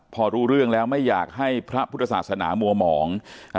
พอรู้เรื่องแล้วไม่อยากให้พระพุทธศาสนามัวหมอง